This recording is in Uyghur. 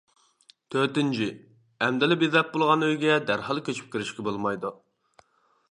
تۆتىنچى، ئەمدىلا بېزەپ بولغان ئۆيگە دەرھال كۆچۈپ كىرىشكە بولمايدۇ.